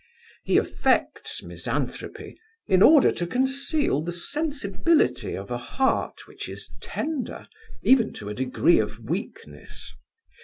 He affects misanthropy, in order to conceal the sensibility of a heart, which is tender, even to a degree of weakness.